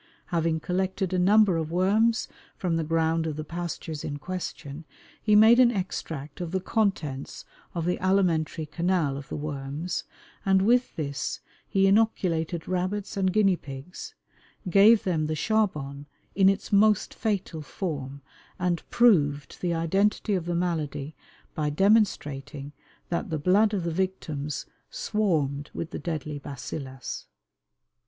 Having collected a number of worms from the ground of the pastures in question, he made an extract of the contents of the alimentary canal of the worms, and with this he inoculated rabbits and guinea pigs, gave them the "charbon" in its most fatal form, and proved the identity of the malady by demonstrating that the blood of the victims swarmed with the deadly "bacillus."